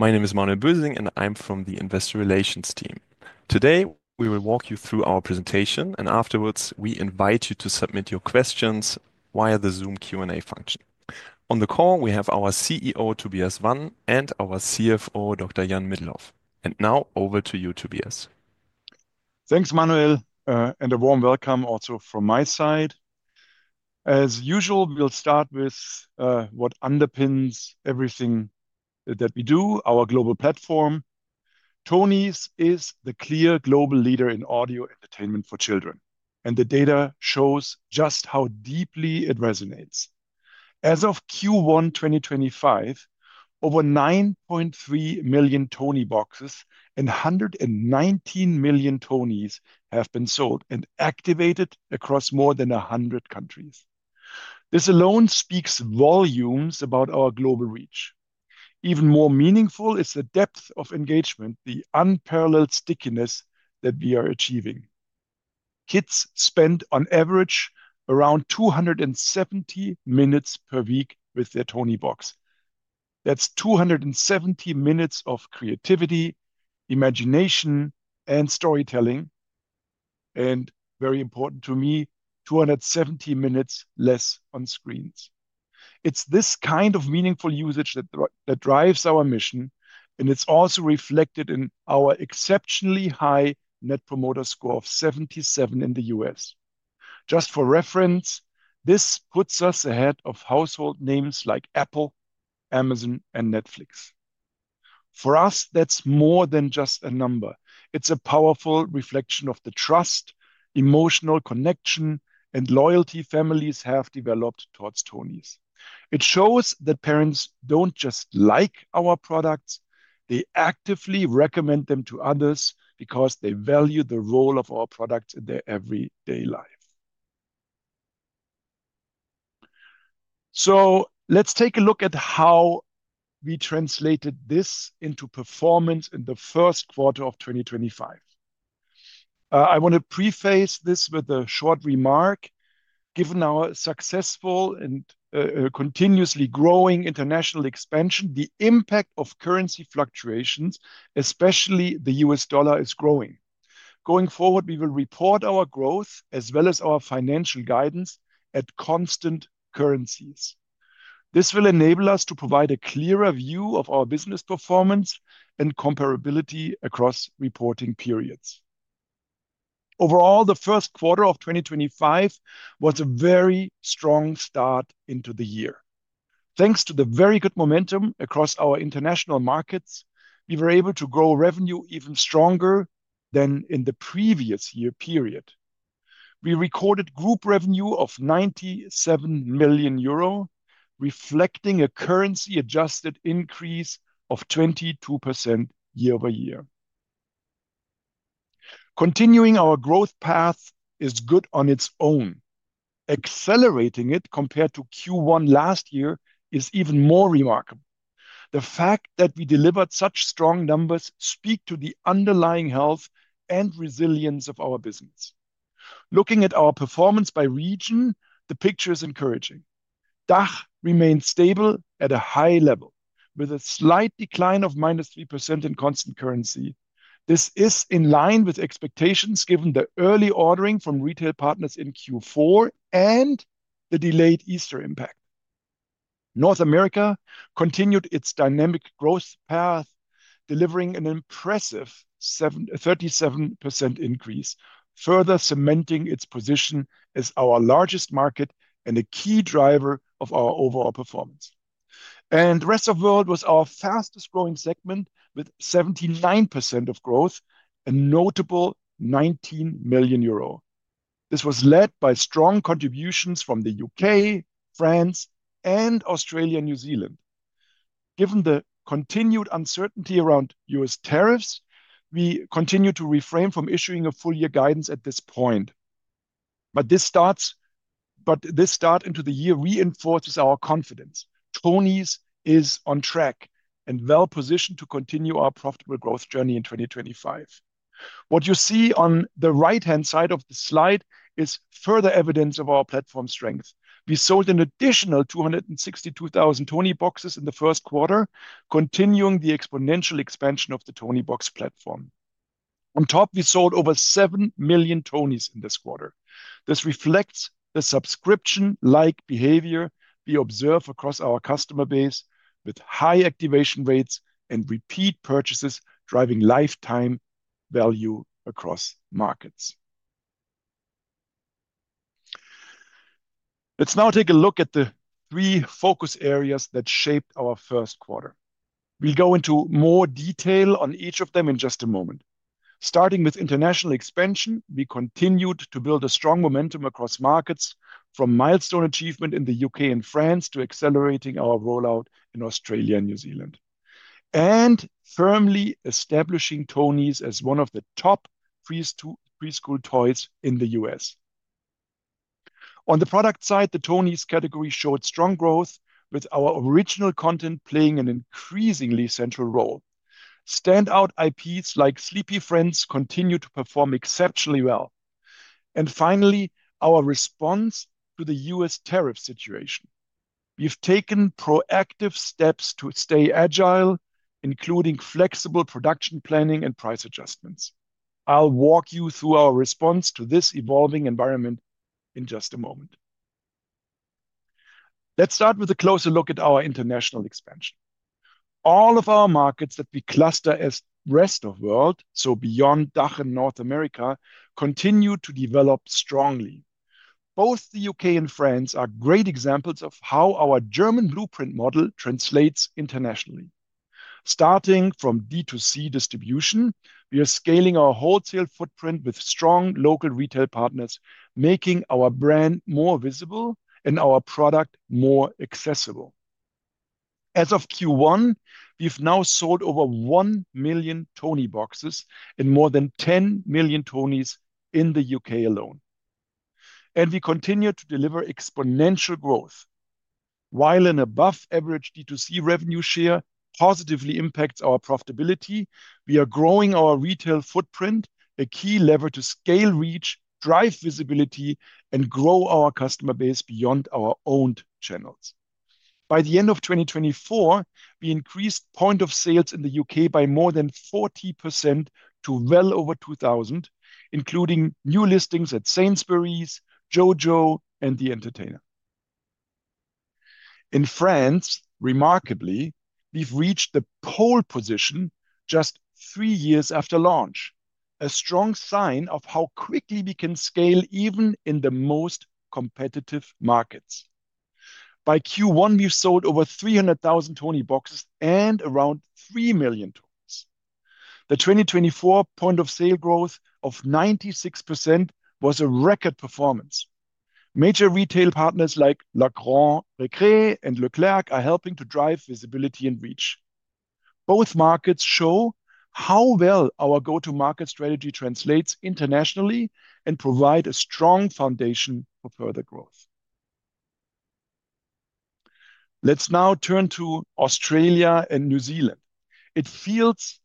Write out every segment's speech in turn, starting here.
My name is Manuel Bösing, and I'm from the Investor Relations team. Today we will walk you through our presentation, and afterwards we invite you to submit your questions via the Zoom Q&A function. On the call we have our CEO, Tobias Wann, and our CFO, Dr. an Middelhof. Now over to you, Tobias. Thanks, Manuel, and a warm welcome also from my side. As usual, we'll start with what underpins everything that we do: our global platform. Tonies is the clear global leader in audio entertainment for children, and the data shows just how deeply it resonates. As of Q1 2025, over 9.3 million Tonieboxes and 119 million Tonies have been sold and activated across more than 100 countries. This alone speaks volumes about our global reach. Even more meaningful is the depth of engagement, the unparalleled stickiness that we are achieving. Kids spend, on average, around 270 minutes per week with their Toniebox. That's 270 minutes of creativity, imagination, and storytelling. Very important to me, 270 minutes less on screens. It's this kind of meaningful usage that drives our mission, and it's also reflected in our exceptionally high Net Promoter Score of 77 in the U.S. Just for reference, this puts us ahead of household names like Apple, Amazon, and Netflix. For us, that's more than just a number. It's a powerful reflection of the trust, emotional connection, and loyalty families have developed towards Tonies. It shows that parents don't just like our products; they actively recommend them to others because they value the role of our products in their everyday life. Let's take a look at how we translated this into performance in the first quarter of 2025. I want to preface this with a short remark. Given our successful and continuously growing international expansion, the impact of currency fluctuations, especially the U.S. dollar, is growing. Going forward, we will report our growth as well as our financial guidance at constant currencies. This will enable us to provide a clearer view of our business performance and comparability across reporting periods. Overall, the first quarter of 2025 was a very strong start into the year. Thanks to the very good momentum across our international markets, we were able to grow revenue even stronger than in the previous year period. We recorded group revenue of 97 million euro, reflecting a currency-adjusted increase of 22% year-over-year. Continuing our growth path is good on its own. Accelerating it compared to Q1 last year is even more remarkable. The fact that we delivered such strong numbers speaks to the underlying health and resilience of our business. Looking at our performance by region, the picture is encouraging. DACH remained stable at a high level, with a slight decline of minus 3% in constant currency. This is in line with expectations given the early ordering from retail partners in Q4 and the delayed Easter impact. North America continued its dynamic growth path, delivering an impressive 37% increase, further cementing its position as our largest market and a key driver of our overall performance. The rest of the world was our fastest growing segment, with 79% of growth and a notable 19 million euro. This was led by strong contributions from the U.K., France, and Australia and New Zealand. Given the continued uncertainty around U.S. tariffs, we continue to refrain from issuing a full year guidance at this point. This start into the year reinforces our confidence. Tonies is on track and well positioned to continue our profitable growth journey in 2025. What you see on the right-hand side of the slide is further evidence of our platform strength. We sold an additional 262,000 Tonieboxes in the first quarter, continuing the exponential expansion of the Toniebox platform. On top, we sold over 7 million Tonies in this quarter. This reflects the subscription-like behavior we observe across our customer base, with high activation rates and repeat purchases driving lifetime value across markets. Let's now take a look at the three focus areas that shaped our first quarter. We'll go into more detail on each of them in just a moment. Starting with international expansion, we continued to build a strong momentum across markets, from milestone achievement in the U.K. and France to accelerating our rollout in Australia and New Zealand, and firmly establishing Tonies as one of the top preschool toys in the U.S. On the product side, the Tonies category showed strong growth, with our original content playing an increasingly central role. Standout IPs like Sleepy Friends continue to perform exceptionally well. Finally, our response to the U.S. tariff situation. We've taken proactive steps to stay agile, including flexible production planning and price adjustments. I'll walk you through our response to this evolving environment in just a moment. Let's start with a closer look at our international expansion. All of our markets that we cluster as rest of world, so beyond DACH and North America, continue to develop strongly. Both the U.K. and France are great examples of how our German blueprint model translates internationally. Starting from D2C distribution, we are scaling our wholesale footprint with strong local retail partners, making our brand more visible and our product more accessible. As of Q1, we've now sold over 1 million Tonieboxes and more than 10 million Tonies in the U.K. alone. We continue to deliver exponential growth. While an above-average D2C revenue share positively impacts our profitability, we are growing our retail footprint, a key lever to scale reach, drive visibility, and grow our customer base beyond our own channels. By the end of 2024, we increased point of sales in the U.K. by more than 40% to well over 2,000, including new listings at Sainsbury's, JoJo, and The Entertainer. In France, remarkably, we've reached the pole position just three years after launch, a strong sign of how quickly we can scale even in the most competitive markets. By Q1, we've sold over 300,000 Tonieboxes and around 3 million Tonies. The 2024 point of sale growth of 96% was a record performance. Major retail partners like Carrefour, Recré, and Leclerc are helping to drive visibility and reach. Both markets show how well our go-to-market strategy translates internationally and provide a strong foundation for further growth. Let's now turn to Australia and New Zealand. It feels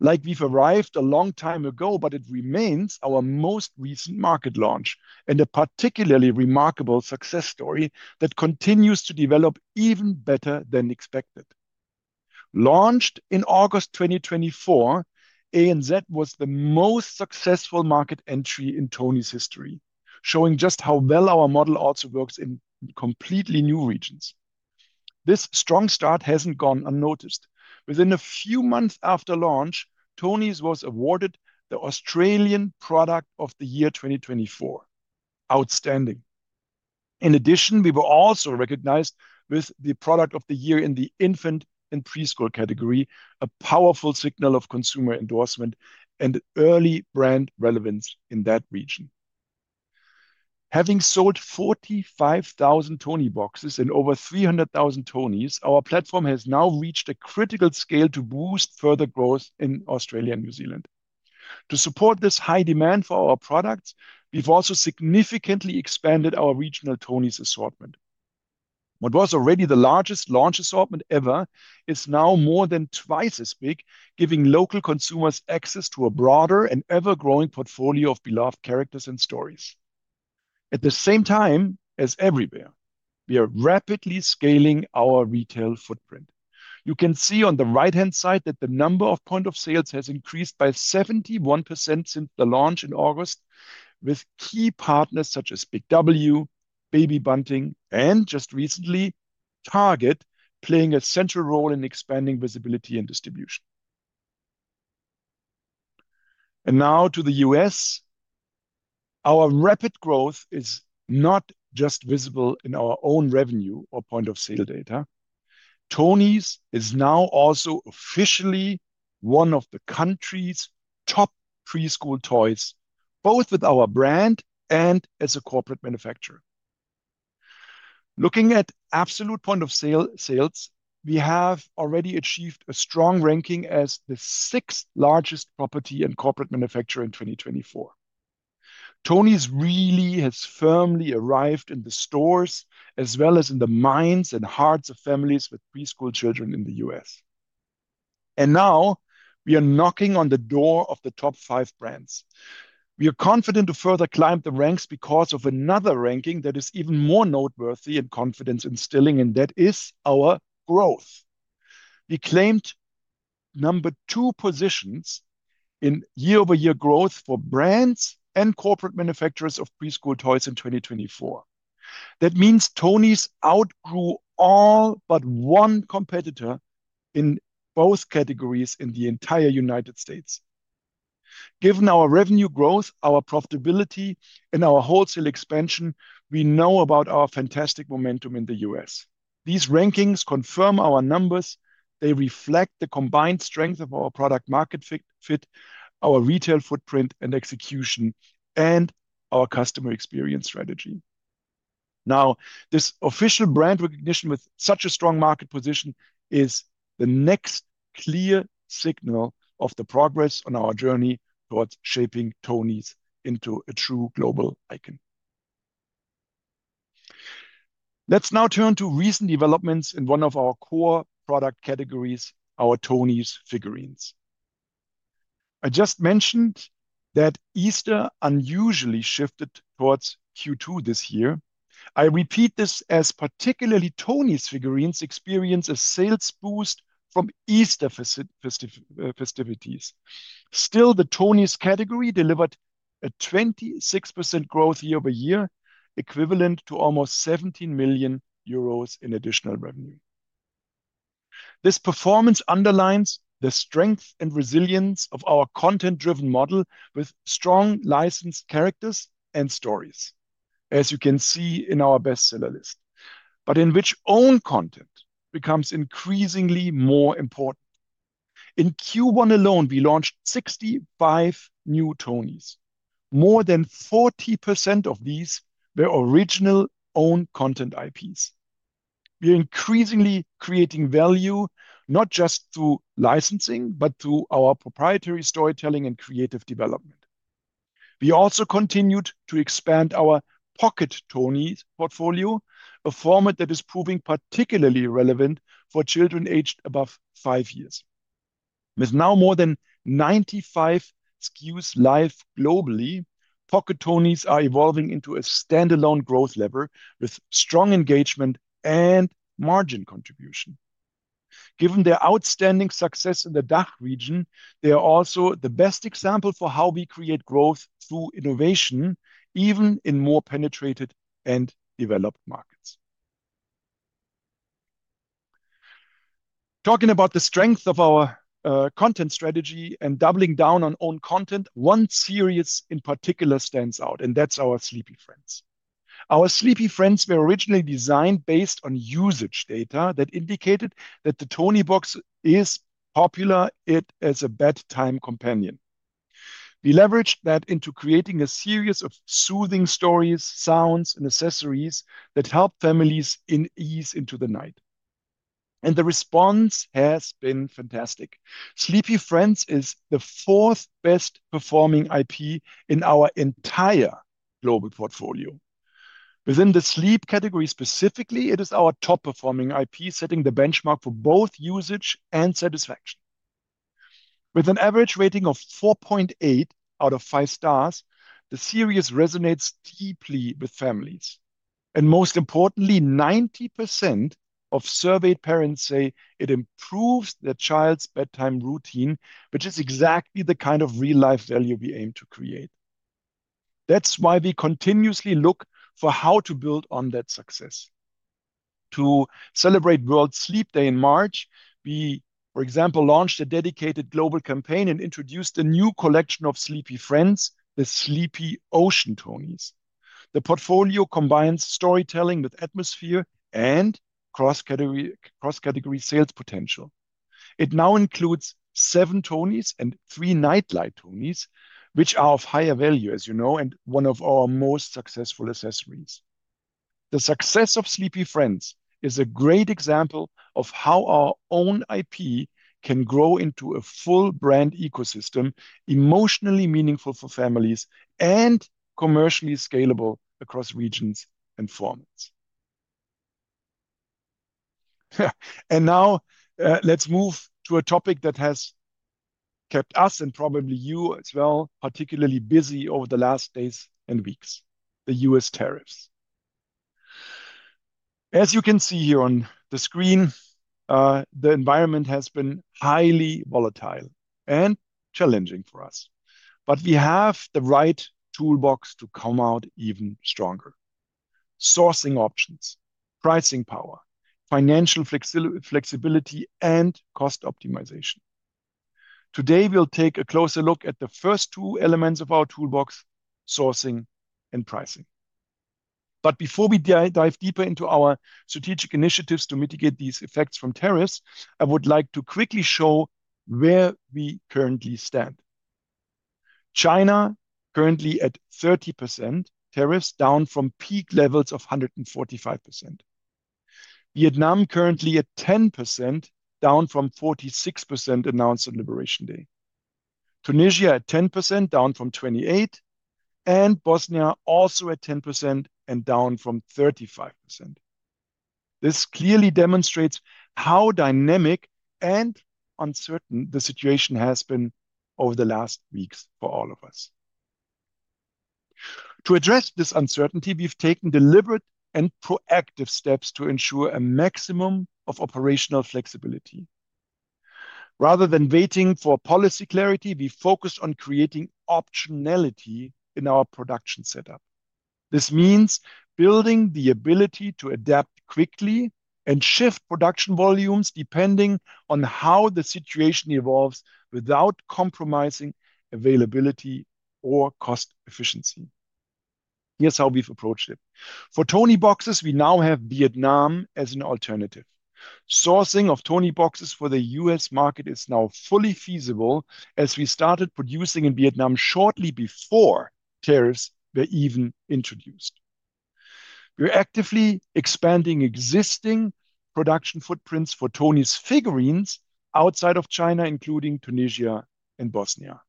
like we've arrived a long time ago, but it remains our most recent market launch and a particularly remarkable success story that continues to develop even better than expected. Launched in August 2024, ANZ was the most successful market entry in Tonies history, showing just how well our model also works in completely new regions. This strong start hasn't gone unnoticed. Within a few months after launch, Tonies was awarded the Australian Product of the Year 2024. Outstanding. In addition, we were also recognized with the Product of the Year in the infant and preschool category, a powerful signal of consumer endorsement and early brand relevance in that region. Having sold 45,000 Tonieboxes and over 300,000 Tonies, our platform has now reached a critical scale to boost further growth in Australia and New Zealand. To support this high demand for our products, we've also significantly expanded our regional Tonies assortment. What was already the largest launch assortment ever is now more than twice as big, giving local consumers access to a broader and ever-growing portfolio of beloved characters and stories. At the same time as everywhere, we are rapidly scaling our retail footprint. You can see on the right-hand side that the number of point of sales has increased by 71% since the launch in August, with key partners such as Big W, Baby Bunting, and just recently Target playing a central role in expanding visibility and distribution. Now to the U.S. Our rapid growth is not just visible in our own revenue or point of sale data. Tonies is now also officially one of the country's top preschool toys, both with our brand and as a corporate manufacturer. Looking at absolute point of sales, we have already achieved a strong ranking as the sixth largest property and corporate manufacturer in 2024. Tonies really has firmly arrived in the stores as well as in the minds and hearts of families with preschool children in the U.S. Now we are knocking on the door of the top five brands. We are confident to further climb the ranks because of another ranking that is even more noteworthy and confidence instilling, and that is our growth. We claimed number two positions in year-over-year growth for brands and corporate manufacturers of preschool toys in 2024. That means Tonies outgrew all but one competitor in both categories in the entire United States. Given our revenue growth, our profitability, and our wholesale expansion, we know about our fantastic momentum in the U.S. These rankings confirm our numbers. They reflect the combined strength of our product-market fit, our retail footprint and execution, and our customer experience strategy. Now, this official brand recognition with such a strong market position is the next clear signal of the progress on our journey towards shaping Tonies into a true global icon. Let's now turn to recent developments in one of our core product categories, our Tonies figurines. I just mentioned that Easter unusually shifted towards Q2 this year. I repeat this as particularly Tonies figurines experienced a sales boost from Easter festivities. Still, the Tonies category delivered a 26% growth year-over-year, equivalent to almost 17 million euros in additional revenue. This performance underlines the strength and resilience of our content-driven model with strong licensed characters and stories, as you can see in our bestseller list, but in which own content becomes increasingly more important. In Q1 alone, we launched 65 new Tonies. More than 40% of these were original own content IPs. We are increasingly creating value not just through licensing, but through our proprietary storytelling and creative development. We also continued to expand our Pocket Tonies portfolio, a format that is proving particularly relevant for children aged above five years. With now more than 95 SKUs live globally, Pocket Tonies are evolving into a standalone growth lever with strong engagement and margin contribution. Given their outstanding success in the DACH region, they are also the best example for how we create growth through innovation, even in more penetrated and developed markets. Talking about the strength of our content strategy and doubling down on own content, one series in particular stands out, and that's our Sleepy Friends. Our Sleepy Friends were originally designed based on usage data that indicated that the Toniebox is popular as a bedtime companion. We leveraged that into creating a series of soothing stories, sounds, and accessories that help families ease into the night. The response has been fantastic. Sleepy Friends is the fourth best-performing IP in our entire global portfolio. Within the Sleep category specifically, it is our top-performing IP, setting the benchmark for both usage and satisfaction. With an average rating of 4.8 out of 5 stars, the series resonates deeply with families. Most importantly, 90% of surveyed parents say it improves their child's bedtime routine, which is exactly the kind of real-life value we aim to create. That is why we continuously look for how to build on that success. To celebrate World Sleep Day in March, we, for example, launched a dedicated global campaign and introduced a new collection of Sleepy Friends, the Sleepy Ocean Tonies. The portfolio combines storytelling with atmosphere and cross-category sales potential. It now includes seven Tonies and three Nightlight Tonies, which are of higher value, as you know, and one of our most successful accessories. The success of Sleepy Friends is a great example of how our own IP can grow into a full brand ecosystem, emotionally meaningful for families, and commercially scalable across regions and formats. Now let's move to a topic that has kept us, and probably you as well, particularly busy over the last days and weeks: the U.S. tariffs. As you can see here on the screen, the environment has been highly volatile and challenging for us, but we have the right toolbox to come out even stronger: sourcing options, pricing power, financial flexibility, and cost optimization. Today, we'll take a closer look at the first two elements of our toolbox: sourcing and pricing. Before we dive deeper into our strategic initiatives to mitigate these effects from tariffs, I would like to quickly show where we currently stand. China, currently at 30% tariffs, down from peak levels of 145%. Vietnam, currently at 10%, down from 46% announced on Liberation Day. Tunisia at 10%, down from 28%, and Bosnia also at 10% and down from 35%. This clearly demonstrates how dynamic and uncertain the situation has been over the last weeks for all of us. To address this uncertainty, we've taken deliberate and proactive steps to ensure a maximum of operational flexibility. Rather than waiting for policy clarity, we focused on creating optionality in our production setup. This means building the ability to adapt quickly and shift production volumes depending on how the situation evolves without compromising availability or cost efficiency. Here's how we've approached it. For Tonieboxes, we now have Vietnam as an alternative. Sourcing of Tonieboxes for the U.S. market is now fully feasible as we started producing in Vietnam shortly before tariffs were even introduced. We're actively expanding existing production footprints for Tonies figurines outside of China, including Tunisia and Bosnia.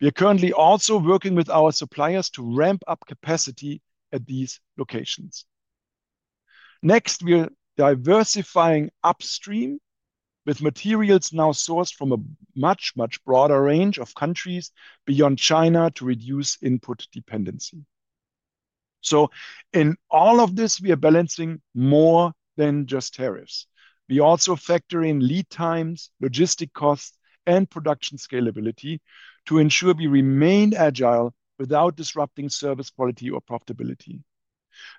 We are currently also working with our suppliers to ramp up capacity at these locations. Next, we're diversifying upstream with materials now sourced from a much, much broader range of countries beyond China to reduce input dependency. In all of this, we are balancing more than just tariffs. We also factor in lead times, logistic costs, and production scalability to ensure we remain agile without disrupting service quality or profitability.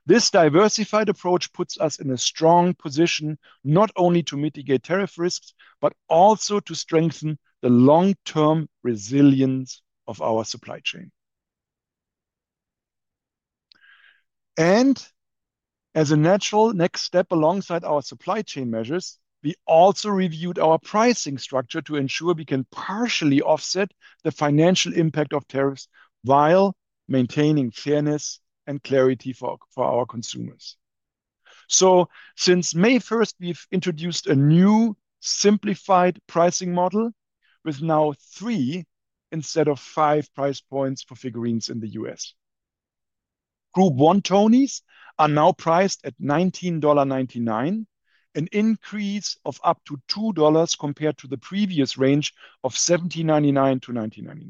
This diversified approach puts us in a strong position not only to mitigate tariff risks, but also to strengthen the long-term resilience of our supply chain. As a natural next step alongside our supply chain measures, we also reviewed our pricing structure to ensure we can partially offset the financial impact of tariffs while maintaining fairness and clarity for our consumers. Since May 1st, we have introduced a new simplified pricing model with now three instead of five price points for figurines in the U.S. Group one Tonies are now priced at $19.99, an increase of up to $2 compared to the previous range of $17.99-$19.99.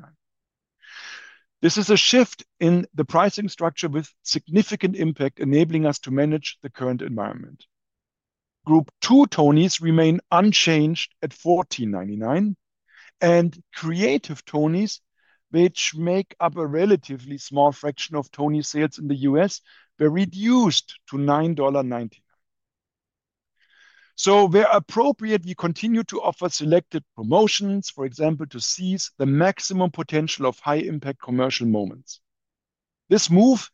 This is a shift in the pricing structure with significant impact, enabling us to manage the current environment. Group two Tonies remain unchanged at $14.99, and Creative Tonies, which make up a relatively small fraction of Tonies sales in the U.S., were reduced to $9.99. Where appropriate, we continue to offer selected promotions, for example, to seize the maximum potential of high-impact commercial moments. This move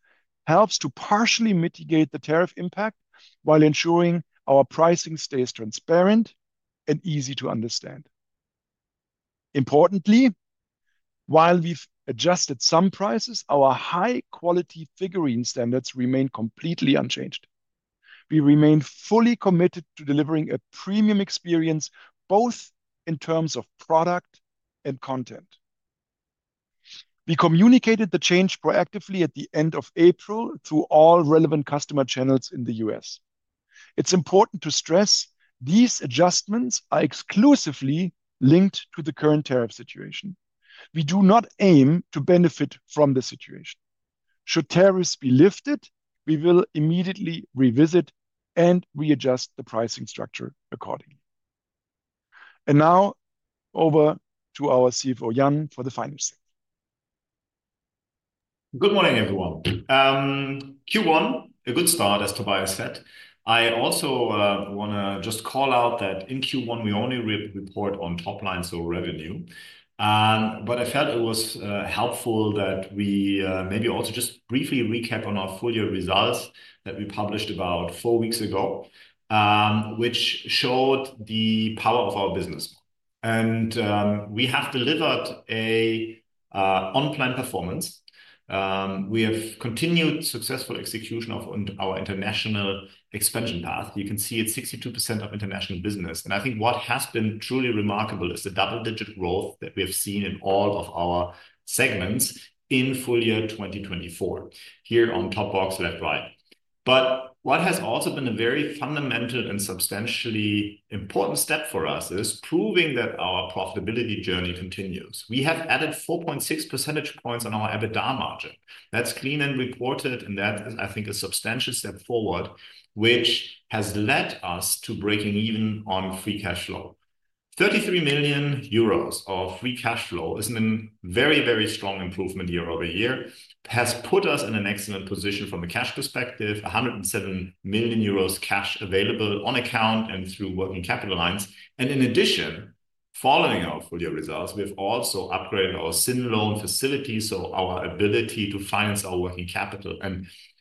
helps to partially mitigate the tariff impact while ensuring our pricing stays transparent and easy to understand. Importantly, while we've adjusted some prices, our high-quality figurine standards remain completely unchanged. We remain fully committed to delivering a premium experience both in terms of product and content. We communicated the change proactively at the end of April through all relevant customer channels in the U.S. It's important to stress these adjustments are exclusively linked to the current tariff situation. We do not aim to benefit from the situation. Should tariffs be lifted, we will immediately revisit and readjust the pricing structure accordingly. Now over to our CFO, Jan, for the final segment. Good morning, everyone. Q1, a good start, as Tobias said. I also want to just call out that in Q1, we only report on top line, so revenue. I felt it was helpful that we maybe also just briefly recap on our full year results that we published about four weeks ago, which showed the power of our business. We have delivered an on-plan performance. We have continued successful execution of our international expansion path. You can see it's 62% of international business. I think what has been truly remarkable is the double-digit growth that we have seen in all of our segments in full year 2024, here on top box left right. What has also been a very fundamental and substantially important step for us is proving that our profitability journey continues. We have added 4.6 percentage points on our EBITDA margin. That's clean and reported, and that is, I think, a substantial step forward, which has led us to breaking even on free cash flow. 33 million euros of free cash flow is a very, very strong improvement year over year. It has put us in an excellent position from a cash perspective: 107 million euros cash available on account and through working capital lines. In addition, following our full year results, we have also upgraded our SIN loan facility, so our ability to finance our working capital.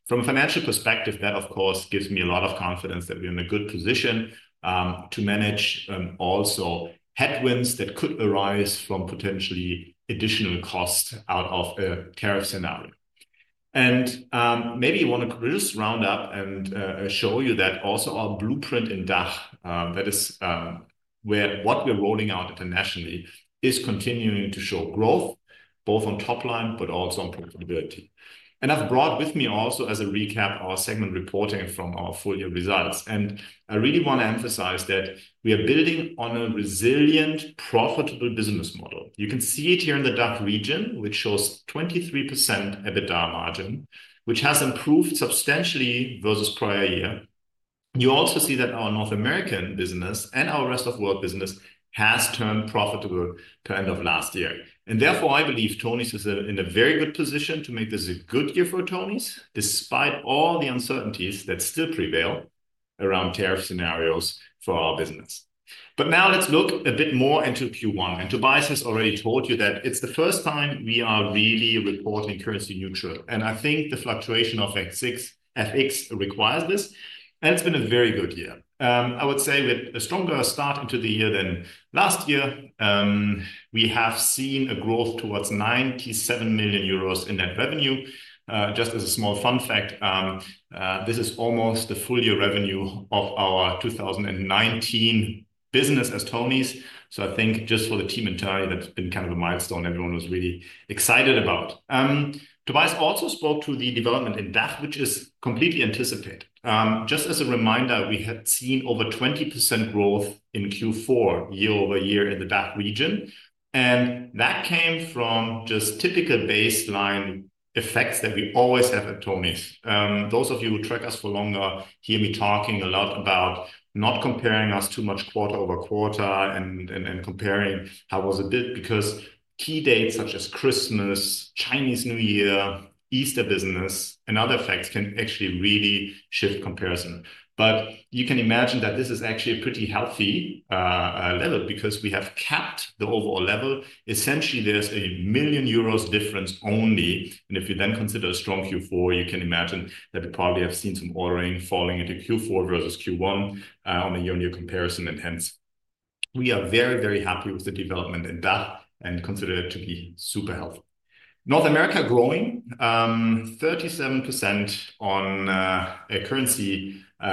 From a financial perspective, that, of course, gives me a lot of confidence that we're in a good position to manage and also headwinds that could arise from potentially additional costs out of a tariff scenario. Maybe I want to just round up and show you that also our blueprint in DACH, that is where what we're rolling out internationally, is continuing to show growth both on top line but also on profitability. I've brought with me also, as a recap, our segment reporting from our full year results. I really want to emphasize that we are building on a resilient, profitable business model. You can see it here in the DACH region, which shows 23% EBITDA margin, which has improved substantially versus prior year. You also see that our North American business and our rest of world business has turned profitable to end of last year. Therefore, I believe Tonies is in a very good position to make this a good year for Tonies despite all the uncertainties that still prevail around tariff scenarios for our business. Now let's look a bit more into Q1. Tobias has already told you that it's the first time we are really reporting currency neutral. I think the fluctuation of FX requires this. It's been a very good year. I would say with a stronger start into the year than last year, we have seen a growth towards 97 million euros in net revenue. Just as a small fun fact, this is almost the full year revenue of our 2019 business as Tonies. I think just for the team entirely, that's been kind of a milestone everyone was really excited about. Tobias also spoke to the development in DACH, which is completely anticipated. Just as a reminder, we had seen over 20% growth in Q4 year-over-year in the DACH region. That came from just typical baseline effects that we always have at Tonies. Those of you who track us for longer hear me talking a lot about not comparing us too much quarter-over-quarter and comparing how was it did, because key dates such as Christmas, Chinese New Year, Easter business, and other facts can actually really shift comparison. You can imagine that this is actually a pretty healthy level because we have capped the overall level. Essentially, there is a 1 million euros difference only. If you then consider a strong Q4, you can imagine that we probably have seen some ordering falling into Q4 versus Q1 on a year-on-year comparison. Hence, we are very, very happy with the development in DACH and consider it to be super healthy. North America growing 37% on a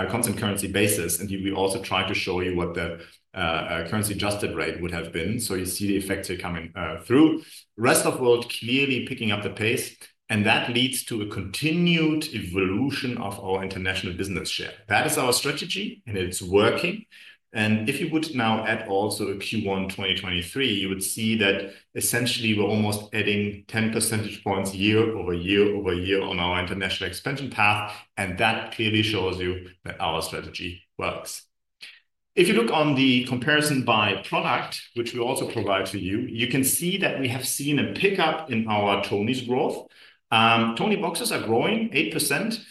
constant currency basis. We also tried to show you what the currency adjusted rate would have been. You see the effects are coming through. Rest of world clearly picking up the pace. That leads to a continued evolution of our international business share. That is our strategy, and it's working. If you would now add also a Q1 2023, you would see that essentially we're almost adding 10 percentage points year-over-year on our international expansion path. That clearly shows you that our strategy works. If you look on the comparison by product, which we also provide to you, you can see that we have seen a pickup in our Tonies growth. Tonieboxes are growing 8%.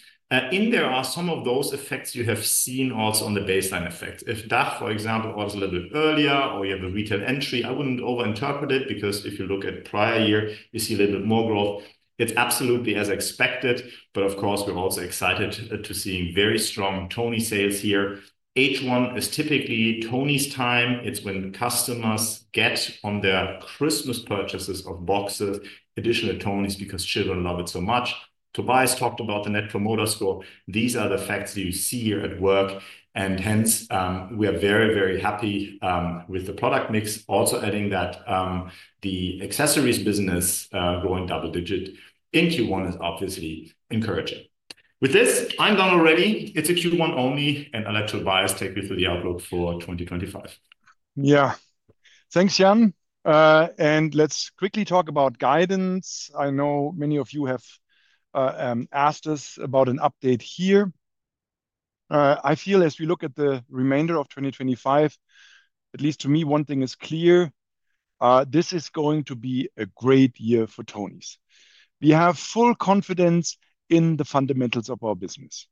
In there are some of those effects you have seen also on the baseline effects. If DACH, for example, orders a little bit earlier or you have a retail entry, I would not overinterpret it because if you look at prior year, you see a little bit more growth. It is absolutely as expected. Of course, we are also excited to see very strong Tonies sales here. H1 is typically Tonies time. It is when customers get on their Christmas purchases of boxes, additional Tonies because children love it so much. Tobias talked about the Net Promoter Score. These are the facts that you see here at work. Hence, we are very, very happy with the product mix. Also adding that the accessories business growing double digit in Q1 is obviously encouraging. With this, I am done already. It is a Q1 only. I will let Tobias take you through the outlook for 2025. Yeah, thanks, Jan. Let us quickly talk about guidance. I know many of you have asked us about an update here. I feel as we look at the remainder of 2025, at least to me, one thing is clear. This is going to be a great year for Tonies. We have full confidence in the fundamentals of our business.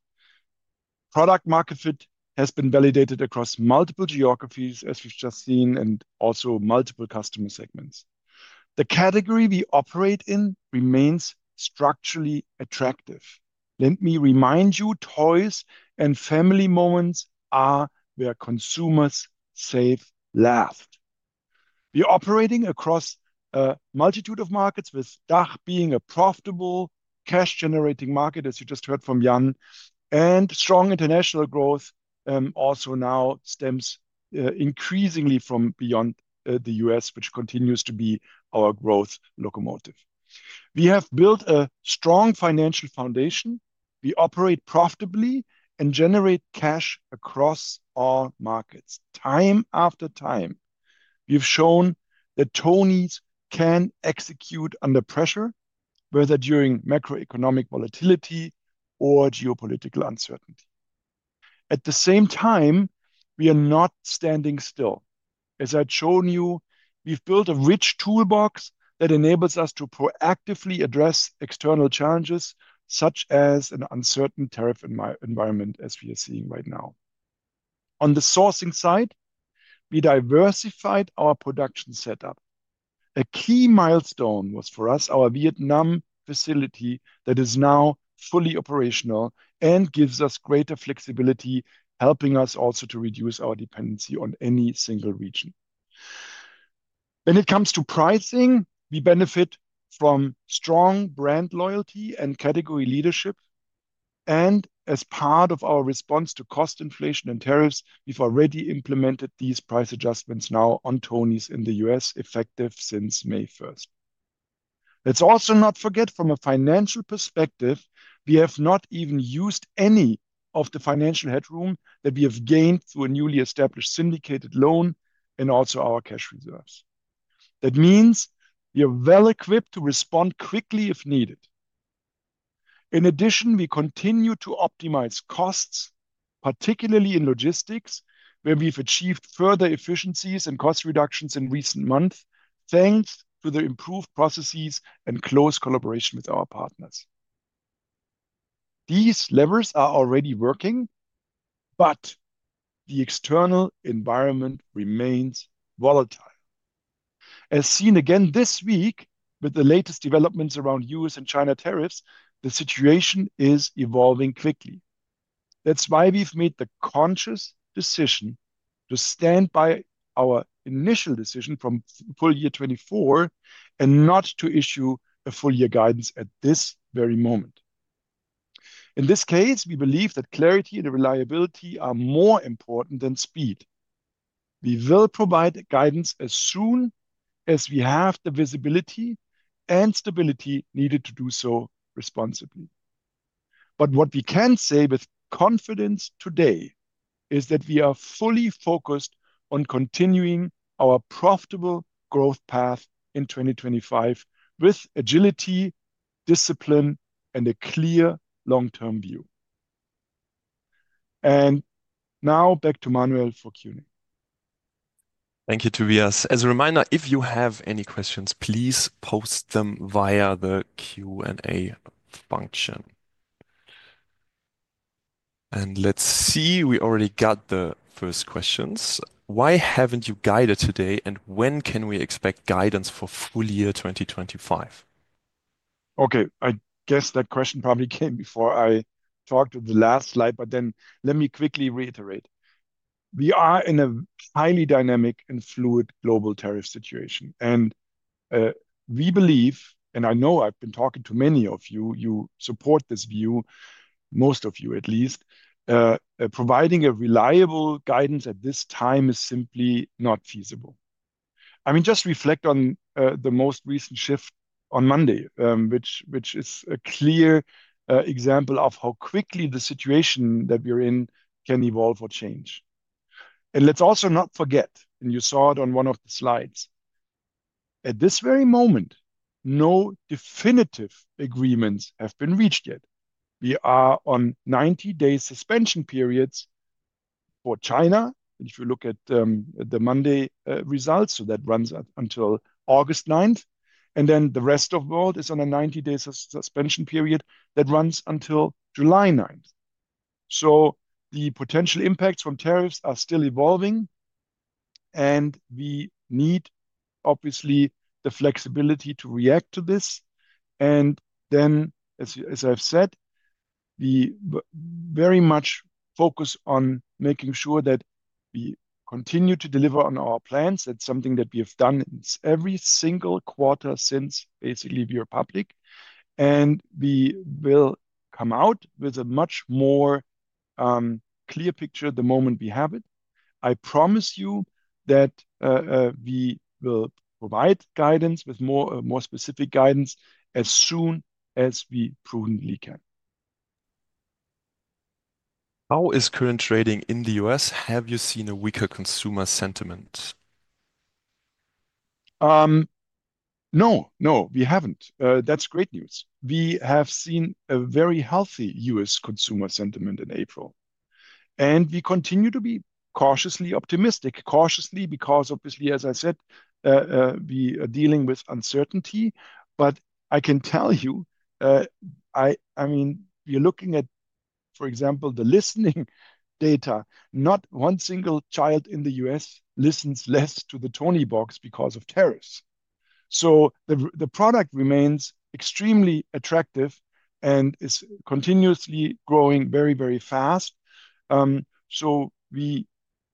Product market fit has been validated across multiple geographies, as we've just seen, and also multiple customer segments. The category we operate in remains structurally attractive. Let me remind you, toys and family moments are where consumers save laughs. We are operating across a multitude of markets, with DACH being a profitable cash-generating market, as you just heard from Jan. Strong international growth also now stems increasingly from beyond the U.S., which continues to be our growth locomotive. We have built a strong financial foundation. We operate profitably and generate cash across our markets. Time after time, we've shown that Tonies can execute under pressure, whether during macroeconomic volatility or geopolitical uncertainty. At the same time, we are not standing still. As I've shown you, we've built a rich toolbox that enables us to proactively address external challenges such as an uncertain tariff environment, as we are seeing right now. On the sourcing side, we diversified our production setup. A key milestone was for us our Vietnam facility that is now fully operational and gives us greater flexibility, helping us also to reduce our dependency on any single region. When it comes to pricing, we benefit from strong brand loyalty and category leadership. As part of our response to cost inflation and tariffs, we've already implemented these price adjustments now on Tonies in the U.S., effective since May 1st. Let's also not forget from a financial perspective, we have not even used any of the financial headroom that we have gained through a newly established syndicated loan and also our cash reserves. That means we are well equipped to respond quickly if needed. In addition, we continue to optimize costs, particularly in logistics, where we've achieved further efficiencies and cost reductions in recent months, thanks to the improved processes and close collaboration with our partners. These levers are already working, but the external environment remains volatile. As seen again this week with the latest developments around U.S. and China tariffs, the situation is evolving quickly. That's why we've made the conscious decision to stand by our initial decision from full year 2024 and not to issue a full year guidance at this very moment. In this case, we believe that clarity and reliability are more important than speed. We will provide guidance as soon as we have the visibility and stability needed to do so responsibly. What we can say with confidence today is that we are fully focused on continuing our profitable growth path in 2025 with agility, discipline, and a clear long-term view. Now back to Manuel for Q&A. Thank you, Tobias. As a reminder, if you have any questions, please post them via the Q&A function. Let's see, we already got the first questions. Why have not you guided today, and when can we expect guidance for full year 2025? I guess that question probably came before I talked to the last slide, but let me quickly reiterate. We are in a highly dynamic and fluid global tariff situation. We believe, and I know I've been talking to many of you, you support this view, most of you at least, providing a reliable guidance at this time is simply not feasible. I mean, just reflect on the most recent shift on Monday, which is a clear example of how quickly the situation that we're in can evolve or change. Let's also not forget, and you saw it on one of the slides, at this very moment, no definitive agreements have been reached yet. We are on 90-day suspension periods for China. If you look at the Monday results, that runs until August 9. The rest of the world is on a 90-day suspension period that runs until July 9th. The potential impacts from tariffs are still evolving. We need, obviously, the flexibility to react to this. As I have said, we very much focus on making sure that we continue to deliver on our plans. That is something that we have done every single quarter since basically we were public. We will come out with a much more clear picture the moment we have it. I promise you that we will provide guidance with more specific guidance as soon as we prudently can. How is current trading in the U.S.? Have you seen a weaker consumer sentiment? No, no, we have not. That is great news. We have seen a very healthy U.S. consumer sentiment in April. We continue to be cautiously optimistic, cautiously because obviously, as I said, we are dealing with uncertainty. I can tell you, I mean, we are looking at, for example, the listening data. Not one single child in the U.S. listens less to the Toniebox because of tariffs. The product remains extremely attractive and is continuously growing very, very fast. We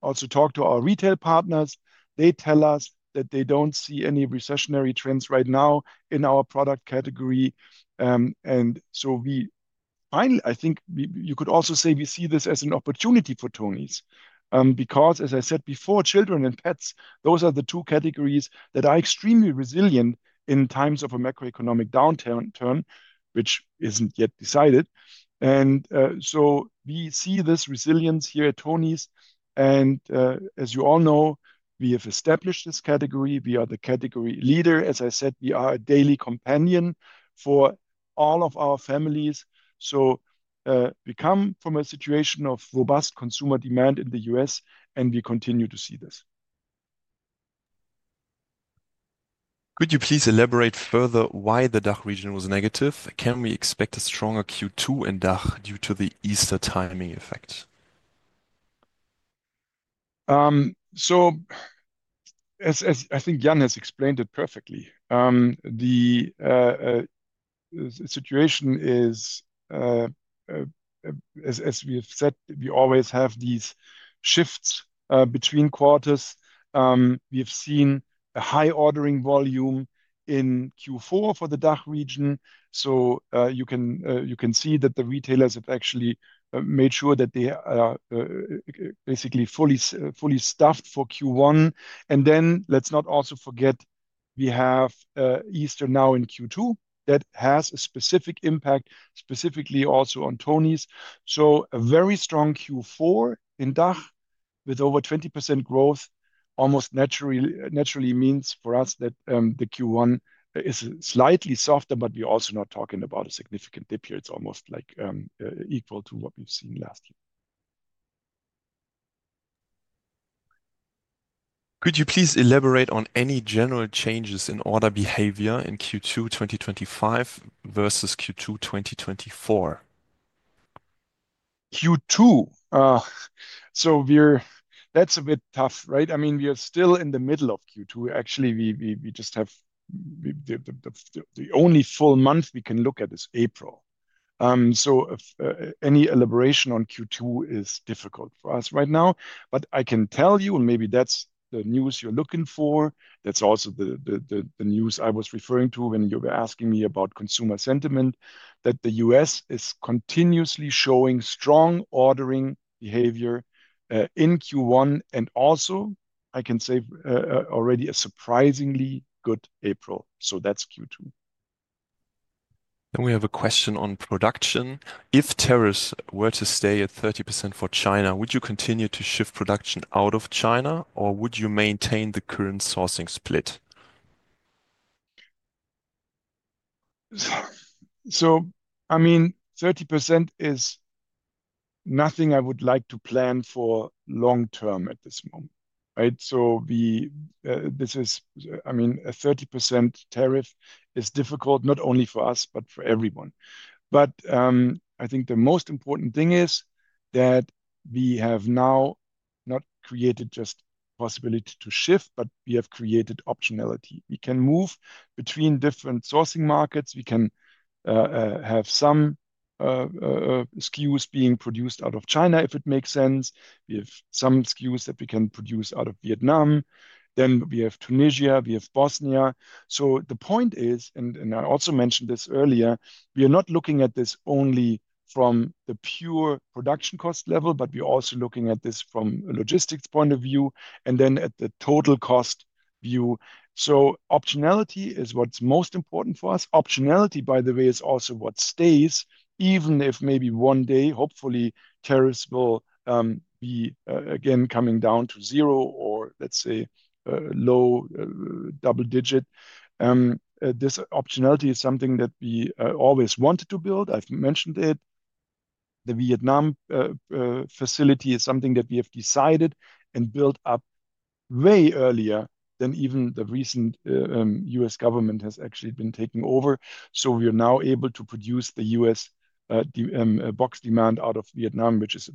also talk to our retail partners. They tell us that they do not see any recessionary trends right now in our product category. We find, I think you could also say we see this as an opportunity for Tonies because, as I said before, children and pets, those are the two categories that are extremely resilient in times of a macroeconomic downturn, which is not yet decided. We see this resilience here at Tonies. As you all know, we have established this category. We are the category leader. As I said, we are a daily companion for all of our families. We come from a situation of robust consumer demand in the U.S., and we continue to see this. Could you please elaborate further why the DACH region was negative? Can we expect a stronger Q2 in DACH due to the Easter timing effect? As I think Jan has explained it perfectly, the situation is, as we've said, we always have these shifts between quarters. We've seen a high ordering volume in Q4 for the DACH region. You can see that the retailers have actually made sure that they are basically fully stuffed for Q1. Let's not also forget we have Easter now in Q2. That has a specific impact specifically also on Tonies. A very strong Q4 in DACH with over 20% growth almost naturally means for us that Q1 is slightly softer, but we're also not talking about a significant dip here. It's almost like equal to what we've seen last year. Could you please elaborate on any general changes in order behavior in Q2 2025 versus Q2 2024? Q2, so that's a bit tough, right? I mean, we are still in the middle of Q2. Actually, we just have the only full month we can look at is April. Any elaboration on Q2 is difficult for us right now. I can tell you, and maybe that's the news you're looking for. That's also the news I was referring to when you were asking me about consumer sentiment, that the U.S. is continuously showing strong ordering behavior in Q1. I can say already a surprisingly good April. That's Q2. We have a question on production. If tariffs were to stay at 30% for China, would you continue to shift production out of China, or would you maintain the current sourcing split? I mean, 30% is nothing I would like to plan for long-term at this moment, right? I mean, a 30% tariff is difficult not only for us, but for everyone. I think the most important thing is that we have now not created just the possibility to shift, but we have created optionality. We can move between different sourcing markets. We can have some SKUs being produced out of China, if it makes sense. We have some SKUs that we can produce out of Vietnam. We have Tunisia. We have Bosnia. The point is, and I also mentioned this earlier, we are not looking at this only from the pure production cost level, but we're also looking at this from a logistics point of view and then at the total cost view. Optionality is what's most important for us. Optionality, by the way, is also what stays, even if maybe one day, hopefully, tariffs will be again coming down to zero or, let's say, low double digit. This optionality is something that we always wanted to build. I've mentioned it. The Vietnam facility is something that we have decided and built up way earlier than even the recent U.S. government has actually been taking over. We are now able to produce the U.S. box demand out of Vietnam, which is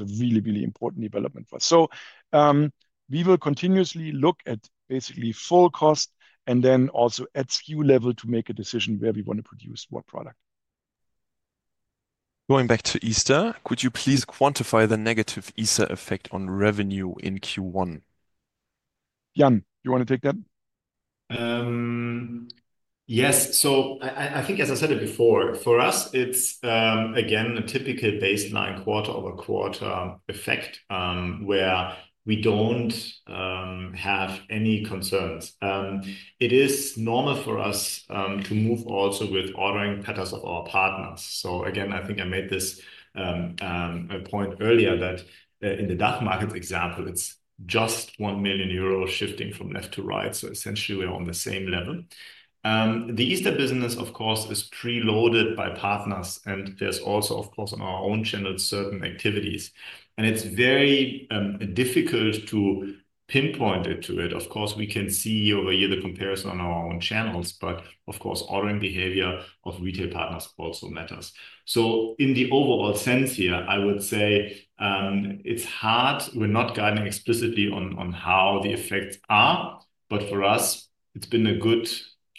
a really, really important development for us. We will continuously look at basically full cost and then also at SKU level to make a decision where we want to produce what product. Going back to Easter, could you please quantify the negative Easter effect on revenue in Q1? Jan, you want to take that? Yes. I think, as I said it before, for us, it's again a typical baseline quarter-over-quarter effect where we don't have any concerns. It is normal for us to move also with ordering patterns of our partners. I think I made this point earlier that in the DACH market example, it's just 1 million euros shifting from left to right. Essentially, we are on the same level. The Easter business, of course, is preloaded by partners. There's also, of course, on our own channel, certain activities. It's very difficult to pinpoint it to it. We can see over here the comparison on our own channels, but ordering behavior of retail partners also matters. In the overall sense here, I would say it's hard. We're not guiding explicitly on how the effects are. For us, it's been a good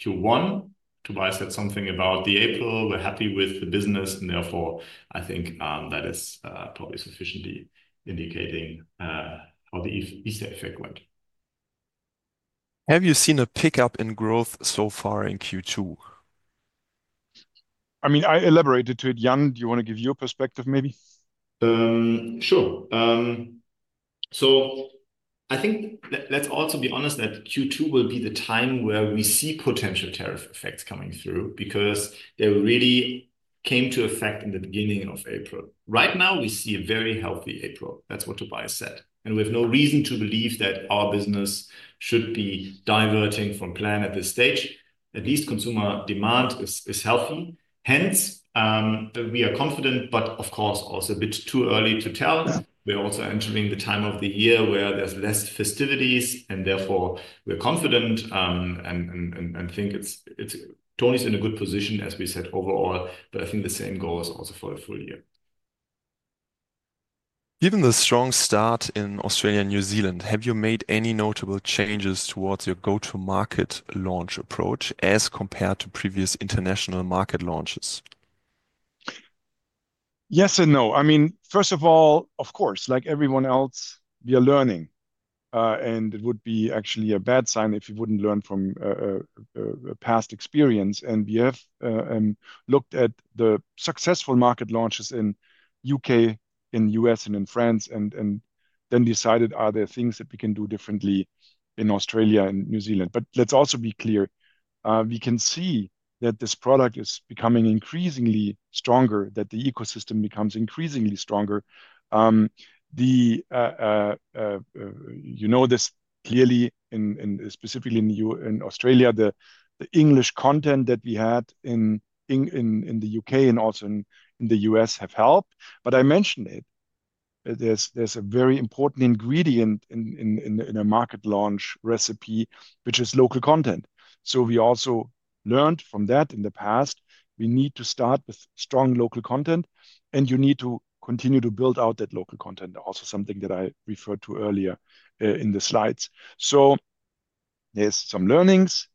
Q1 to buy something about the April. We're happy with the business. Therefore, I think that is probably sufficiently indicating how the Easter effect went. Have you seen a pickup in growth so far in Q2? I mean, I elaborated to it. Jan, do you want to give your perspective maybe? Sure. I think let's also be honest that Q2 will be the time where we see potential tariff effects coming through because they really came to effect in the beginning of April. Right now, we see a very healthy April. That's what Tobias said. We have no reason to believe that our business should be diverting from plan at this stage. At least consumer demand is healthy. Hence, we are confident, but of course, also a bit too early to tell. We're also entering the time of the year where there's less festivities. Therefore, we're confident and think Tonies is in a good position, as we said, overall. I think the same goes also for the full year. Given the strong start in Australia and New Zealand, have you made any notable changes towards your go-to-market launch approach as compared to previous international market launches? Yes and no. I mean, first of all, of course, like everyone else, we are learning. It would be actually a bad sign if we wouldn't learn from past experience. We have looked at the successful market launches in the U.K., in the U.S., and in France, and then decided, are there things that we can do differently in Australia and New Zealand? Let's also be clear. We can see that this product is becoming increasingly stronger, that the ecosystem becomes increasingly stronger. You know, this clearly, specifically in Australia, the English content that we had in the U.K. and also in the U.S. have helped. I mentioned it. There is a very important ingredient in a market launch recipe, which is local content. We also learned from that in the past. We need to start with strong local content, and you need to continue to build out that local content, also something that I referred to earlier in the slides. There are some learnings.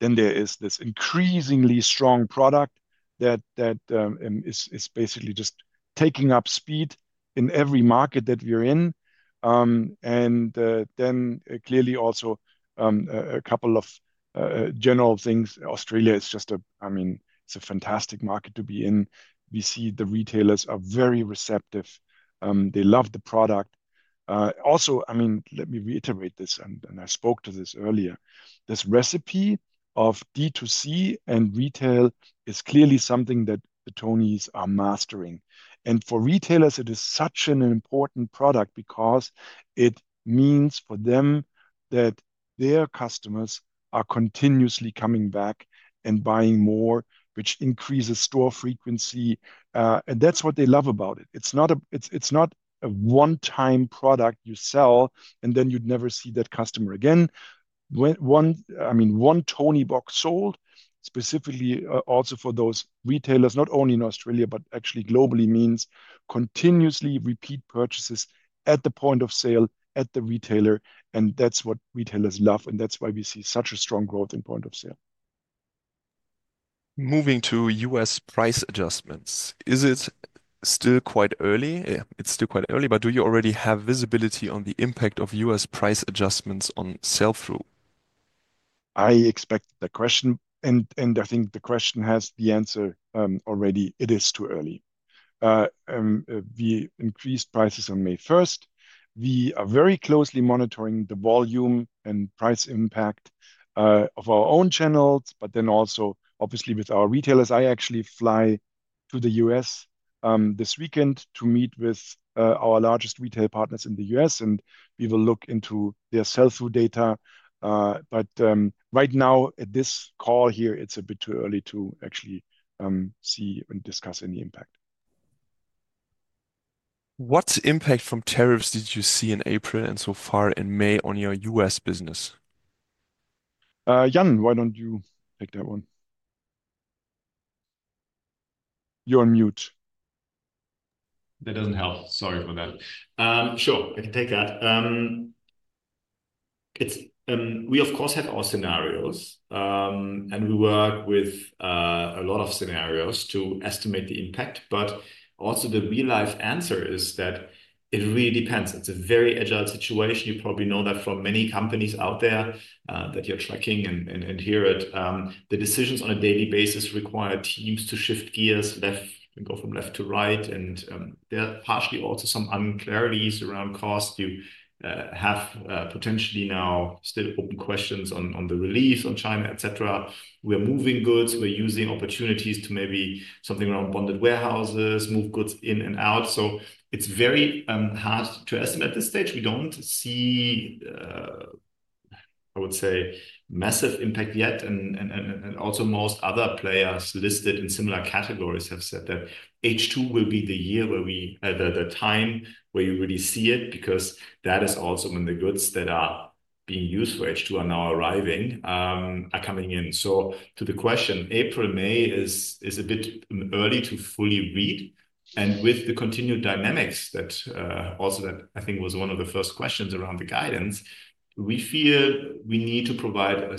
There is this increasingly strong product that is basically just taking up speed in every market that we're in. Clearly, also a couple of general things. Australia is just a, I mean, it's a fantastic market to be in. We see the retailers are very receptive. They love the product. Also, I mean, let me reiterate this, and I spoke to this earlier. This recipe of D2C and retail is clearly something that the Tonies are mastering. For retailers, it is such an important product because it means for them that their customers are continuously coming back and buying more, which increases store frequency. That is what they love about it. It is not a one-time product you sell, and then you never see that customer again. I mean, one Toniebox sold specifically also for those retailers, not only in Australia, but actually globally, means continuously repeat purchases at the point of sale at the retailer. That is what retailers love. That is why we see such a strong growth in point of sale. Moving to U.S. price adjustments. Is it still quite early? It's still quite early, but do you already have visibility on the impact of US price adjustments on sale through? I expect the question, and I think the question has the answer already. It is too early. We increased prices on May 1st. We are very closely monitoring the volume and price impact of our own channels, but then also obviously with our retailers. I actually fly to the U.S. this weekend to meet with our largest retail partners in the U.S., and we will look into their sell-through data. Right now, at this call here, it's a bit too early to actually see and discuss any impact. What impact from tariffs did you see in April and so far in May on your U.S. business? Jan, why don't you take that one? You're on mute. That doesn't help. Sorry for that. Sure, I can take that. We, of course, have our scenarios, and we work with a lot of scenarios to estimate the impact. Also, the real-life answer is that it really depends. It's a very agile situation. You probably know that from many companies out there that you're tracking and hear it. The decisions on a daily basis require teams to shift gears left and go from left to right. There are partially also some unclarities around cost. You have potentially now still open questions on the release on China, etc. We are moving goods. We're using opportunities to maybe something around bonded warehouses, move goods in and out. It is very hard to estimate at this stage. We do not see, I would say, massive impact yet. Also, most other players listed in similar categories have said that H2 will be the time where you really see it, because that is also when the goods that are being used for H2 are now arriving, are coming in. To the question, April, May is a bit early to fully read. With the continued dynamics, that also, I think, was one of the first questions around the guidance, we feel we need to provide a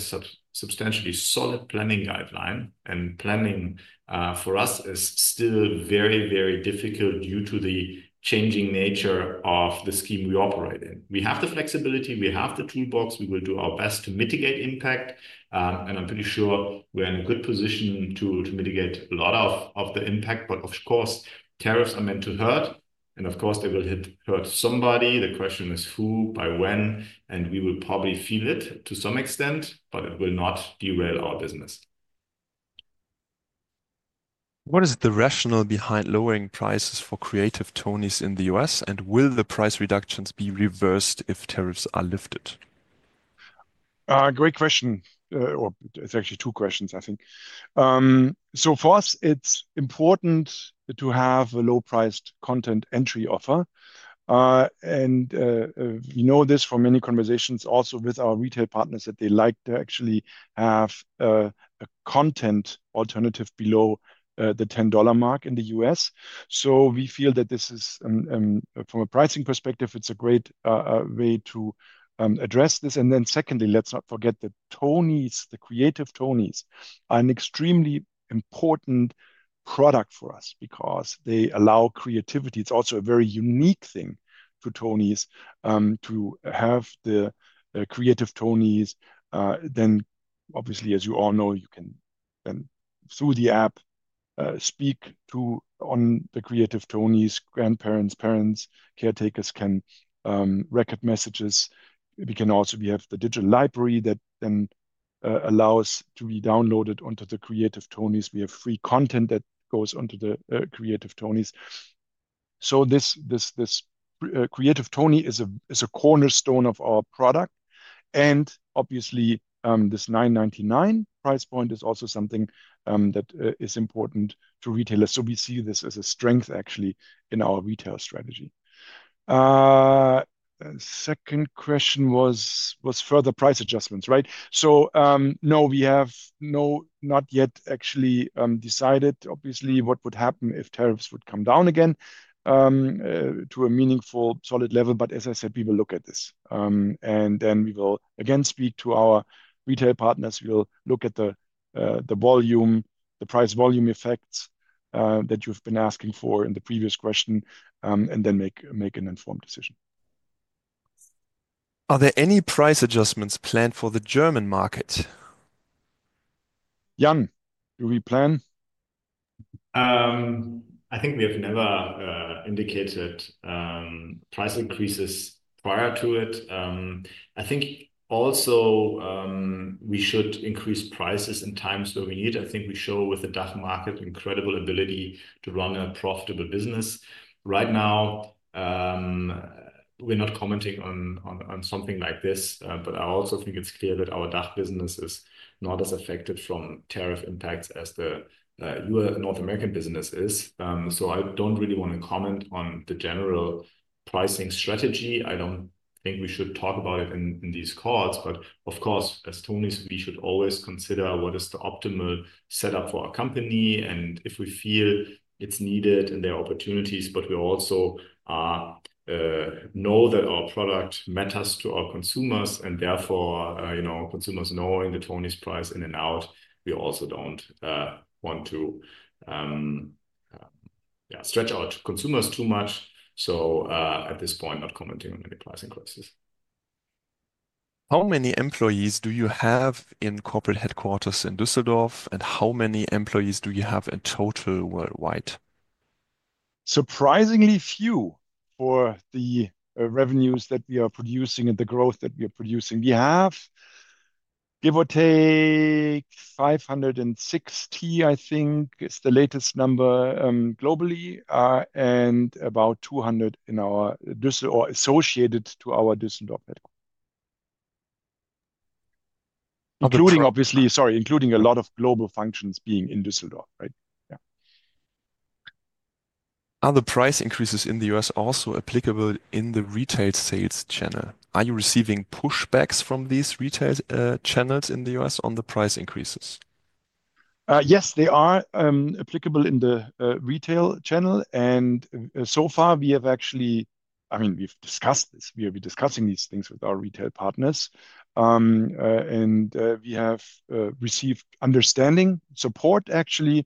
substantially solid planning guideline. Planning for us is still very, very difficult due to the changing nature of the scheme we operate in. We have the flexibility. We have the toolbox. We will do our best to mitigate impact. I'm pretty sure we're in a good position to mitigate a lot of the impact. Of course, tariffs are meant to hurt. Of course, they will hurt somebody. The question is who, by when. We will probably feel it to some extent, but it will not derail our business. What is the rationale behind lowering prices for Creative Tonies in the US? Will the price reductions be reversed if tariffs are lifted? Great question. Or it's actually two questions, I think. For us, it's important to have a low-priced content entry offer. We know this from many conversations also with our retail partners that they like. They actually have a content alternative below the $10 mark in the U.S. We feel that this is, from a pricing perspective, a great way to address this. Let's not forget that Tonies, the Creative Tonies, are an extremely important product for us because they allow creativity. It's also a very unique thing for Tonies to have the Creative Tonies. Then obviously, as you all know, you can then through the app speak to on the Creative Tonies, grandparents, parents, caretakers can record messages. We can also have the digital library that then allows to be downloaded onto the Creative Tonies. We have free content that goes onto the Creative Tonies. So this Creative Tonie is a cornerstone of our product. Obviously, this $9.99 price point is also something that is important to retailers. We see this as a strength actually in our retail strategy. Second question was further price adjustments, right? No, we have not yet actually decided, obviously, what would happen if tariffs would come down again to a meaningful solid level. As I said, we will look at this. We will again speak to our retail partners. We'll look at the volume, the price volume effects that you've been asking for in the previous question, and then make an informed decision. Are there any price adjustments planned for the German market? Jan, do we plan? I think we have never indicated price increases prior to it. I think also we should increase prices in times where we need. I think we show with the DACH market incredible ability to run a profitable business. Right now, we're not commenting on something like this, but I also think it's clear that our DACH business is not as affected from tariff impacts as the North American business is. I don't really want to comment on the general pricing strategy. I don't think we should talk about it in these calls. Of course, as Tonies, we should always consider what is the optimal setup for our company and if we feel it's needed and there are opportunities. We also know that our product matters to our consumers. Therefore, consumers knowing the Tonies price in and out, we also do not want to stretch out consumers too much. At this point, not commenting on any pricing crisis. How many employees do you have in corporate headquarters in Düsseldorf? And how many employees do you have in total worldwide? Surprisingly few for the revenues that we are producing and the growth that we are producing. We have, give or take, 560, I think is the latest number globally, and about 200 in our or associated to our Düsseldorf network. Including, obviously, sorry, including a lot of global functions being in Düsseldorf, right? Yeah. Are the price increases in the U.S. also applicable in the retail sales channel? Are you receiving pushbacks from these retail channels in the U.S. on the price increases? Yes, they are applicable in the retail channel. So far, we have actually, I mean, we've discussed this. We'll be discussing these things with our retail partners. We have received understanding, support, actually.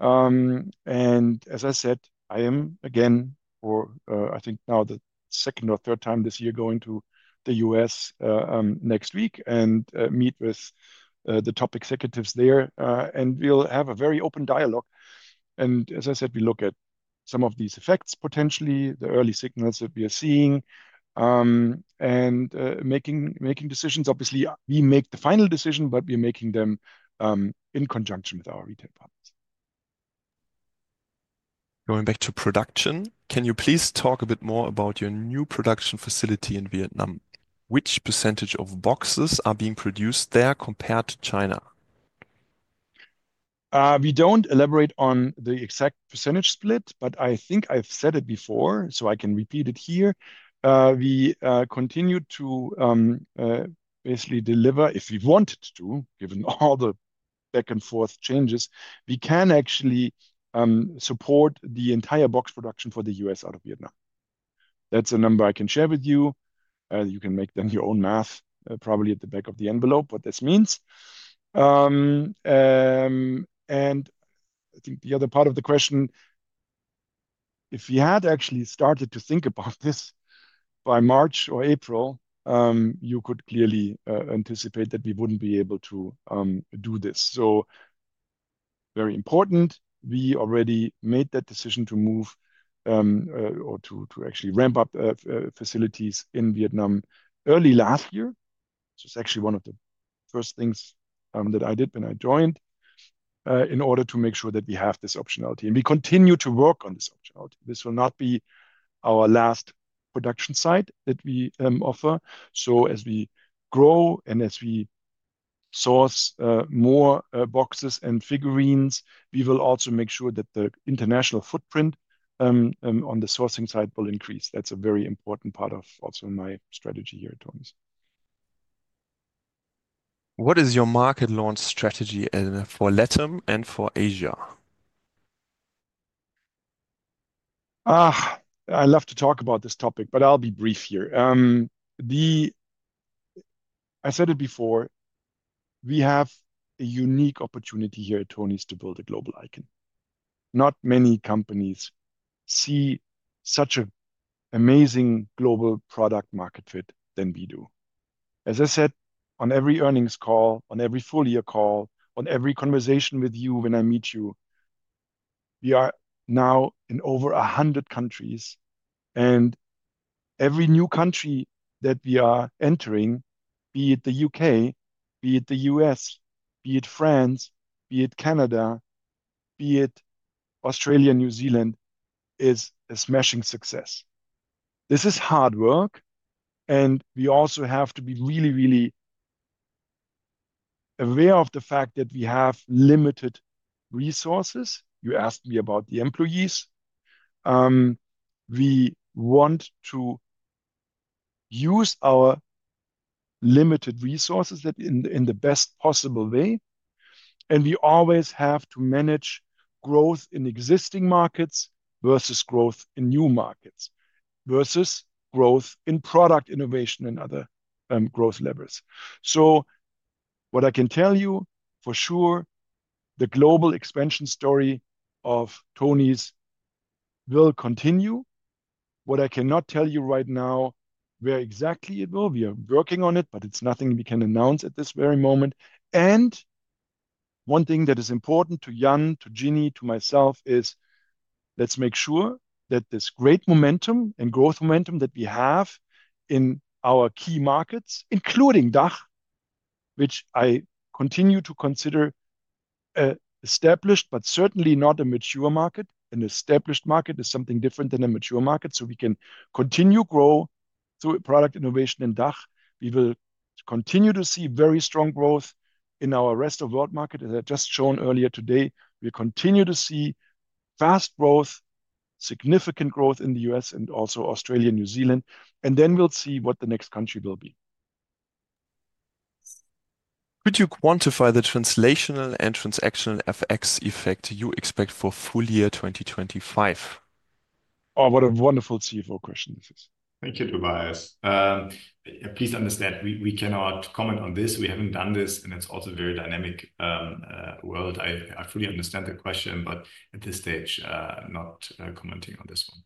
As I said, I am again, for I think now the second or third time this year, going to the U.S. next week and meet with the top executives there. We'll have a very open dialogue. As I said, we look at some of these effects, potentially the early signals that we are seeing and making decisions. Obviously, we make the final decision, but we're making them in conjunction with our retail partners. Going back to production, can you please talk a bit more about your new production facility in Vietnam? Which percentage of boxes are being produced there compared to China? We do not elaborate on the exact percentage split, but I think I have said it before, so I can repeat it here. We continue to basically deliver if we wanted to, given all the back-and-forth changes. We can actually support the entire box production for the U.S. out of Vietnam. That is a number I can share with you. You can then make your own math probably at the back of the envelope what this means. I think the other part of the question, if we had actually started to think about this by March or April, you could clearly anticipate that we would not be able to do this. Very important. We already made that decision to move or to actually ramp up facilities in Vietnam early last year. This is actually one of the first things that I did when I joined in order to make sure that we have this optionality. We continue to work on this optionality. This will not be our last production site that we offer. As we grow and as we source more boxes and figurines, we will also make sure that the international footprint on the sourcing side will increase. That is a very important part of also my strategy here at Tonies. What is your market launch strategy for LATAM and for Asia? I love to talk about this topic, but I'll be brief here. I said it before. We have a unique opportunity here at Tonies to build a global icon. Not many companies see such an amazing global product market fit than we do. As I said, on every earnings call, on every full-year call, on every conversation with you when I meet you, we are now in over 100 countries. Every new country that we are entering, be it the U.K., be it the U.S., be it France, be it Canada, be it Australia, New Zealand, is a smashing success. This is hard work. We also have to be really, really aware of the fact that we have limited resources. You asked me about the employees. We want to use our limited resources in the best possible way. We always have to manage growth in existing markets versus growth in new markets versus growth in product innovation and other growth levers. What I can tell you for sure, the global expansion story of Tonies will continue. What I cannot tell you right now is where exactly it will. We are working on it, but it's nothing we can announce at this very moment. One thing that is important to Jan, to Ginny, to myself is let's make sure that this great momentum and growth momentum that we have in our key markets, including DACH, which I continue to consider established, but certainly not a mature market. An established market is something different than a mature market. We can continue to grow through product innovation in DACH. We will continue to see very strong growth in our rest of the world market. As I just showed earlier today, we'll continue to see fast growth, significant growth in the U.S. and also Australia, New Zealand. Then we'll see what the next country will be. Could you quantify the translational and transactional FX effect you expect for full year 2025? Oh, what a wonderful CFO question this is. Thank you, Tobias. Please understand, we cannot comment on this. We haven't done this. It is also a very dynamic world. I fully understand the question, but at this stage, not commenting on this one.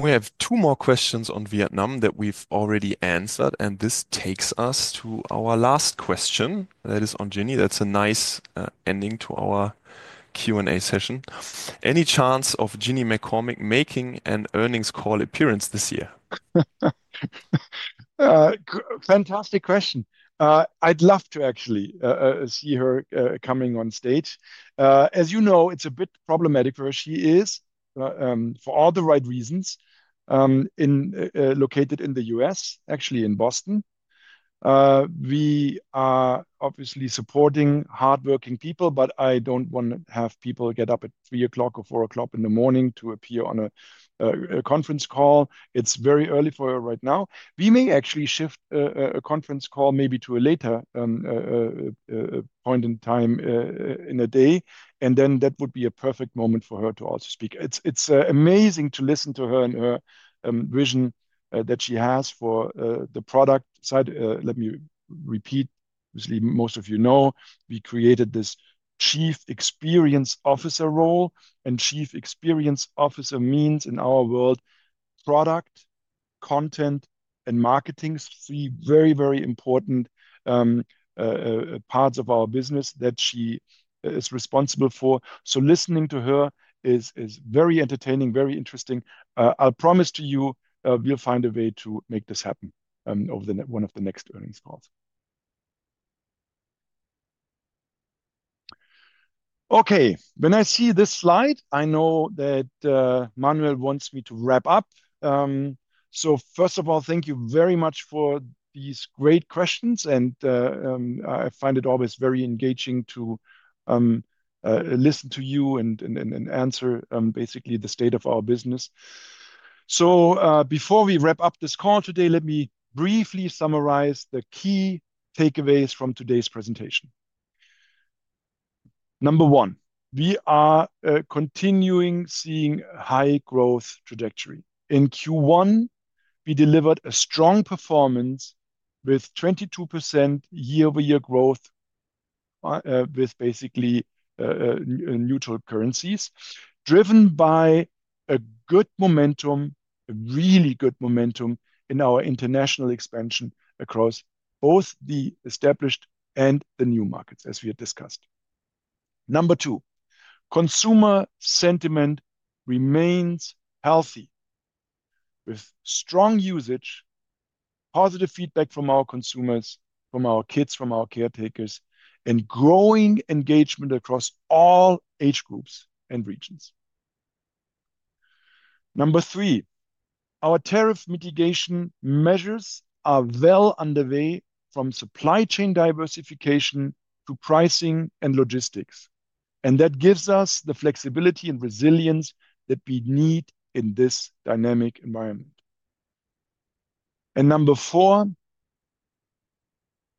We have two more questions on Vietnam that we've already answered. This takes us to our last question. That is on Ginny. That's a nice ending to our Q&A session. Any chance of Ginny McCormick making an earnings call appearance this year? Fantastic question. I'd love to actually see her coming on stage. As you know, it's a bit problematic where she is for all the right reasons. Located in the U.S., actually in Boston. We are obviously supporting hardworking people, but I don't want to have people get up at 3:00 or 4:00 in the morning to appear on a conference call. It's very early for her right now. We may actually shift a conference call maybe to a later point in time in a day. That would be a perfect moment for her to also speak. It's amazing to listen to her and her vision that she has for the product side. Let me repeat. Obviously, most of you know, we created this Chief Experience Officer role. Chief Experience Officer means in our world, product, content, and marketing, three very, very important parts of our business that she is responsible for. Listening to her is very entertaining, very interesting. I'll promise to you, we'll find a way to make this happen over one of the next earnings calls. Okay. When I see this slide, I know that Manuel wants me to wrap up. First of all, thank you very much for these great questions. I find it always very engaging to listen to you and answer basically the state of our business. Before we wrap up this call today, let me briefly summarize the key takeaways from today's presentation. Number one, we are continuing seeing high growth trajectory. In Q1, we delivered a strong performance with 22% year-over-year growth with basically neutral currencies, driven by a good momentum, a really good momentum in our international expansion across both the established and the new markets, as we had discussed. Number two, consumer sentiment remains healthy with strong usage, positive feedback from our consumers, from our kids, from our caretakers, and growing engagement across all age groups and regions. Number three, our tariff mitigation measures are well underway from supply chain diversification to pricing and logistics. That gives us the flexibility and resilience that we need in this dynamic environment. Number four,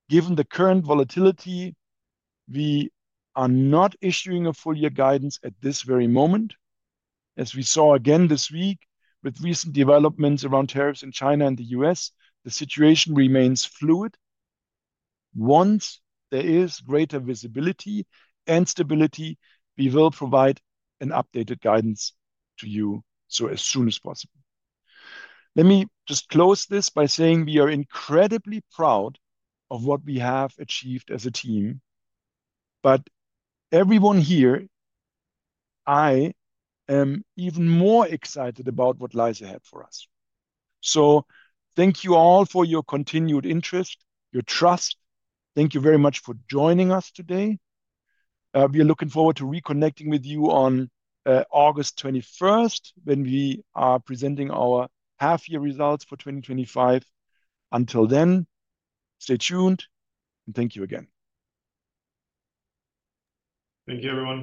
given the current volatility, we are not issuing a full-year guidance at this very moment. As we saw again this week with recent developments around tariffs in China and the U.S., the situation remains fluid. Once there is greater visibility and stability, we will provide an updated guidance to you as soon as possible. Let me just close this by saying we are incredibly proud of what we have achieved as a team. Everyone here, I am even more excited about what lies ahead for us. Thank you all for your continued interest, your trust. Thank you very much for joining us today. We are looking forward to reconnecting with you on August 21st when we are presenting our half-year results for 2025. Until then, stay tuned. Thank you again. Thank you, everyone.